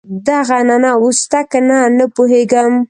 دغه عنعنه اوس شته کنه نه پوهېږم.